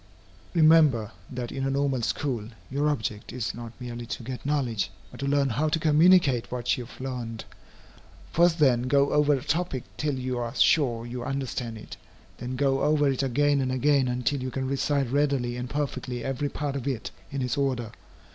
Remember, that in a Normal School your object is, not merely to get knowledge, but to learn how to communicate what you have learned. First then go over a topic till you are sure you understand it. Then go over it again and again until you can recite readily and perfectly every part of it, in its order.